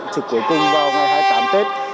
trực cuối cùng vào ngày hai mươi tám tết